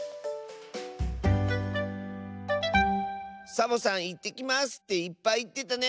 サボさん「いってきます」っていっぱいいってたね。